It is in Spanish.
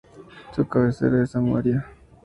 Su cabecera es Samaria.